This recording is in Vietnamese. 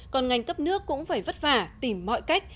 còn ngành cấp nước cũng phải vất vả tìm mọi cách